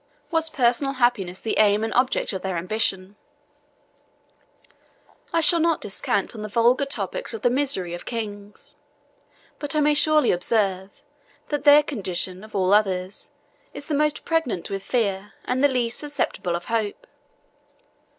Was personal happiness the aim and object of their ambition? I shall not descant on the vulgar topics of the misery of kings; but I may surely observe, that their condition, of all others, is the most pregnant with fear, and the least susceptible of hope.